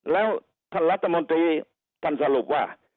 แล้วท่านรัฐมนตรีท่านสรุปว่า